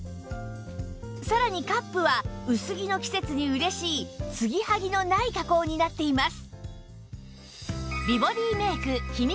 さらにカップは薄着の季節に嬉しいつぎはぎのない加工になっています